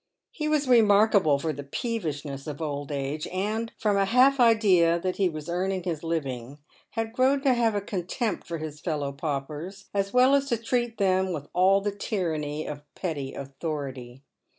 He was remarkable for the peevishness of old age, and, from a half idea that he was earning his living, had grown to have a contempt for his fellow paupers, as well as to treat them with all the tyranny of petty authority.